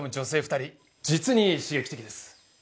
実に刺激的です。